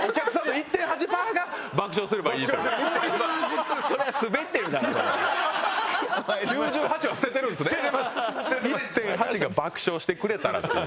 １．８が爆笑してくれたらっていう。